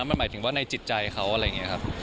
มันหมายถึงว่าในจิตใจเขา